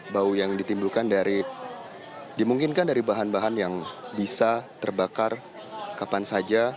bau yang ditimbulkan dari dimungkinkan dari bahan bahan yang bisa terbakar kapan saja